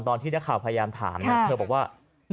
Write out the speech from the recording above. ตอนที่นักข่าวพยายามถามนะเธอบอกว่า